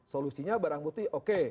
solusinya barang bukti oke